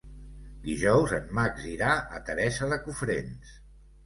Dijous en Max irà a Teresa de Cofrents.